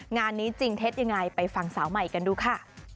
งานนี้จริงเท็จยังไงไปฟังสาวใหม่กันดูค่ะ